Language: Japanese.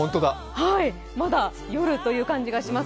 まだ夜という感じがします。